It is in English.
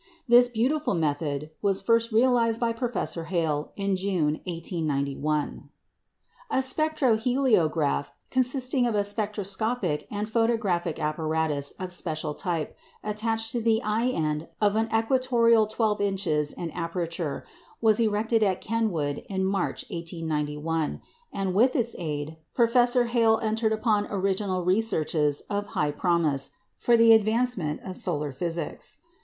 This beautiful method was first realised by Professor Hale in June, 1891. A "spectroheliograph," consisting of a spectroscopic and a photographic apparatus of special type, attached to the eye end of an equatoreal twelve inches in aperture, was erected at Kenwood in March, 1891; and with its aid, Professor Hale entered upon original researches of high promise for the advancement of solar physics.